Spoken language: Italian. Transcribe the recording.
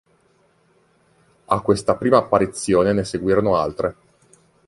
A questa prima apparizione ne seguirono altre.